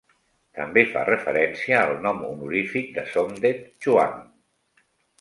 També fa referència al nom honorífic de Somdet Chuang.